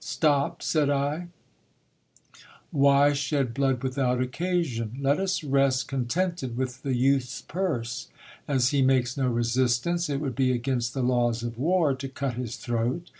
Stop, said I ; why shed blood without occasion ? Let us rest contented with the youth's purse. As he makes no resistance, it would be against the laws of war to cut his throat.